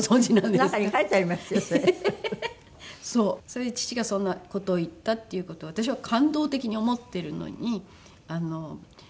それで父がそんな事を言ったっていう事を私は感動的に思ってるのにあの。